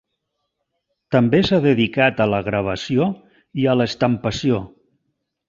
També s'ha dedicat a la gravació i a l'estampació.